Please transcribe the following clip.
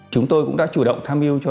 chúng tôi cũng đã chủ động tham yêu cho